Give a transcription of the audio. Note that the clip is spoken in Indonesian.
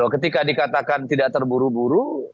ketika dikatakan tidak terburu buru